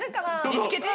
見つけて！